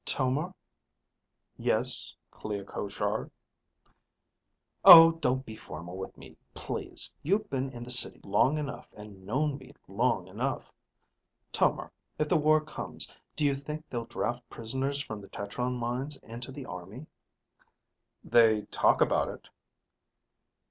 "Tomar?" "Yes, Clea Koshar?" "Oh, don't be formal with me, please. You've been in the City long enough and known me long enough. Tomar, if the war comes, do you think they'll draft prisoners from the tetron mines into the army?" "They talk about it."